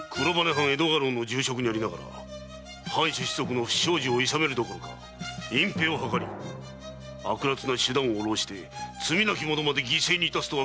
藩江戸家老の重職にありながら藩主子息の不祥事をいさめるどころか隠ぺいを計り悪辣な手段を弄して罪なき者まで犠牲にいたすとは言語道断！